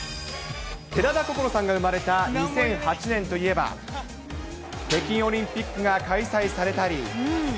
寺田心さんが生まれた２００８年といえば、北京オリンピックが開催されたり。